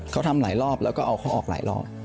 เขาทำหลายรอบแล้วก็เอาเขาออกหลายรอบ